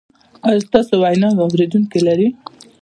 ایا ستاسو ویناوې اوریدونکي لري؟